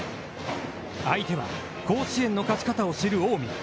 相手は甲子園の勝ち方を知る近江。